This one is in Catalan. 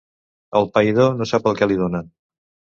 El païdor no sap el que li donen.